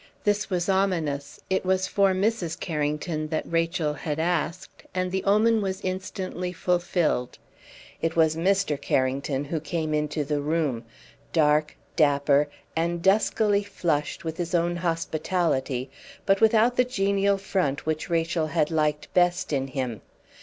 This was ominous; it was for Mrs. Carrington that Rachel had asked; and the omen was instantly fulfilled. It was Mr. Carrington who came into the room, dark, dapper, and duskily flushed with his own hospitality, but without the genial front which Rachel had liked best in him.